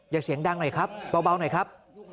เสียงดังหน่อยครับเบาหน่อยครับ